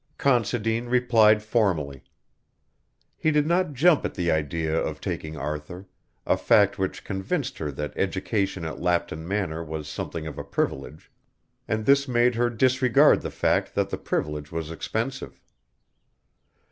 Considine replied formally. He did not jump at the idea of taking Arthur, a fact which convinced her that education at Lapton Manor was something of a privilege, and this made her disregard the fact that the privilege was expensive.